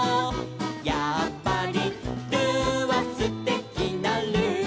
「やっぱりルーはすてきなルー」